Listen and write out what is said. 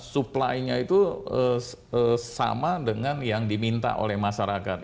supply nya itu sama dengan yang diminta oleh masyarakat